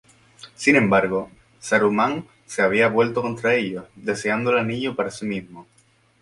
Sin embargo, Saruman se había vuelto contra ellos, deseando el Anillo para sí mismo.